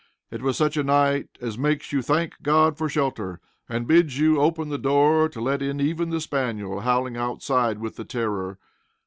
It was such a night as makes you thank God for shelter, and bids you open the door to let in even the spaniel howling outside with the terror.